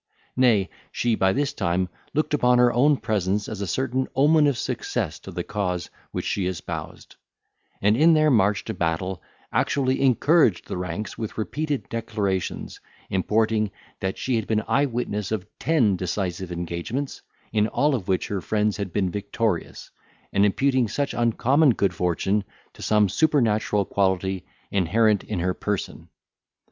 —Nay, she by this time looked upon her own presence as a certain omen of success to the cause which she espoused; and, in their march to battle, actually encouraged the ranks with repeated declarations, importing, that she had been eye witness of ten decisive engagements, in all of which her friends had been victorious, and imputing such uncommon good fortune to some supernatural quality inherent in her person.